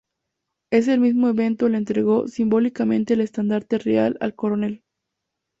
En el mismo evento le entregó simbólicamente el estandarte real al coronel.